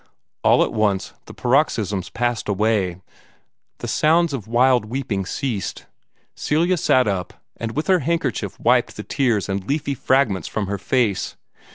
All at once the paroxysms passed away, the sounds of wild weeping ceased. Celia sat up, and with her handkerchief wiped the tears and leafy fragments from her face.